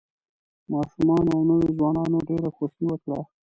ماشومانو او نوو ځوانانو ډېره خوښي وکړه.